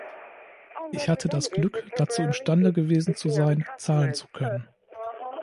Ich hatte das Glück, dazu imstande gewesen zu sein, zahlen zu können.